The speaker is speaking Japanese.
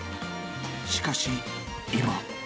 しかし、今。